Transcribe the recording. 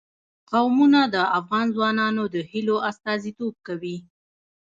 قومونه د افغان ځوانانو د هیلو استازیتوب کوي.